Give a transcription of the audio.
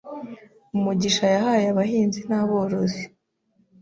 Umugisha yahaye abahinzi n’aborozi